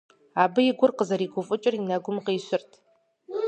Абы и гур къызэригуфӀыкӀыр и нэгум къищырт.